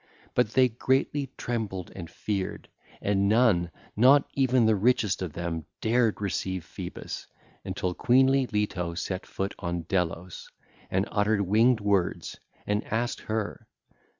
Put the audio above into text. But they greatly trembled and feared, and none, not even the richest of them, dared receive Phoebus, until queenly Leto set foot on Delos and uttered winged words and asked her: (ll.